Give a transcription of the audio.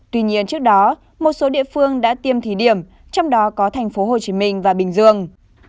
tuy nhiên trước đó một số địa phương đã tiêm thí điểm trong đó có thành phố hồ chí minh và bình dương